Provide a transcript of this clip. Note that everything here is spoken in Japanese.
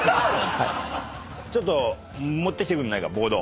ちょっと持ってきてくんないかボード。